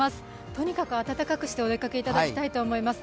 とにかく暖かくしてお出かけしていただきたいと思います。